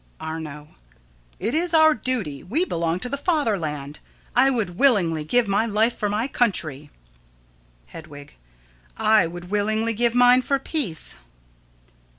Arno: It is our duty. We belong to the fatherland. I would willingly give my life for my country. Hedwig: I would willingly give mine for peace.